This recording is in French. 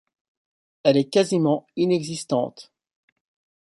Elle est quasiment inexistante.